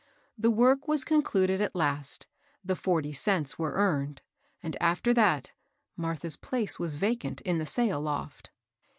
The work was concluded at last, the f(yrty cents were earned; and after that Martha's place was vacant in the sail loft.